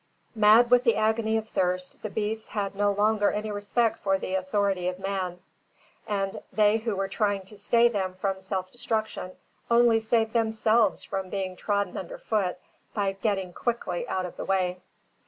Mad with the agony of thirst, the beasts had no longer any respect for the authority of man; and they who were trying to stay them from self destruction only saved themselves from being trodden under foot, by getting quickly out of the way.